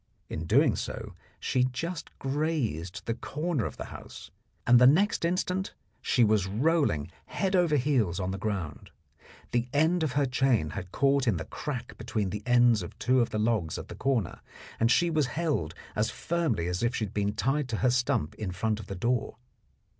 In doing so she just grazed the corner of the house, and the next instant she was rolling head over heels on the ground. The end of her chain had caught in the crack between the ends of two of the logs at the corner, and she was held as firmly as if she had been tied to her stump in front of the door.